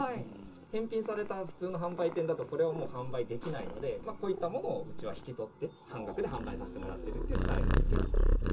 返品された普通の販売店だと、これはもう販売できないので、こういったものをうちは引き取って、半額で販売させてもらってるっていうスタイルですね。